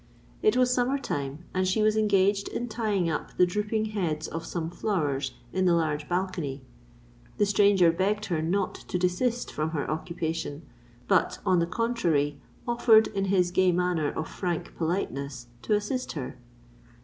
It was summer time, and she was engaged in tying up the drooping heads of some flowers in the large balcony. The stranger begged her not to desist from her occupation; but, on the contrary, offered, in his gay manner of frank politeness, to assist her.